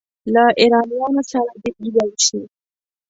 له ایرانیانو سره دې یو شي.